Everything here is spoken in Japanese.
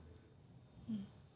うん。